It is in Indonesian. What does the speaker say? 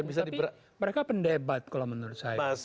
mereka pendebat kalau menurut saya